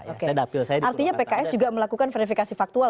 oke artinya pks juga melakukan verifikasi faktual